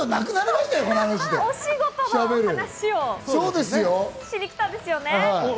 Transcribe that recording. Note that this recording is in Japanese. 推しゴトの話をしに来たんですよね。